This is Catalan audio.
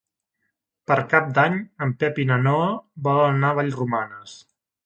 Per Cap d'Any en Pep i na Noa volen anar a Vallromanes.